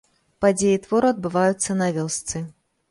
Падзеі твору адбываюцца на вёсцы.